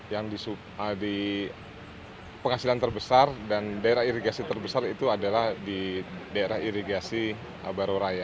yang di penghasilan terbesar dan daerah irigasi terbesar itu adalah di daerah irigasi baroraya